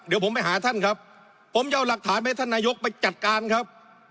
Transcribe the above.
เดี๋ยวผมไปหาท่านครับผมจะเอาหลักฐานไปให้ท่านนายกไปจัดการครับ